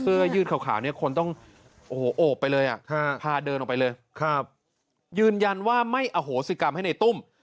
เสื้อยืดขาวเนี่ยคนต้องโอ้โหโอบไปเลยพาเดินออกไปเลยยืนยันว่าไม่อโหสิกรรมให้ในตุ้ม